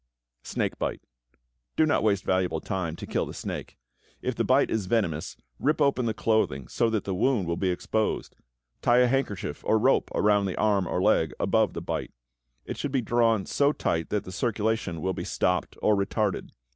=Snake Bite.= Do not waste valuable time to kill the snake. If the bite is venomous, rip open the clothing so that the wound will be exposed. Tie a handkerchief or rope around the arm or leg, above the bite. It should be drawn so tight that the circulation will be stopped or retarded.